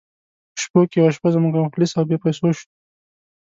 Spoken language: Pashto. په شپو کې یوه شپه موږ مفلس او بې پیسو شوو.